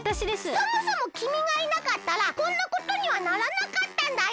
そもそもきみがいなかったらこんなことにはならなかったんだよ。